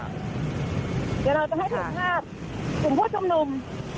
เดี๋ยวเราจะให้คุณภาพคุณผู้ชมนุม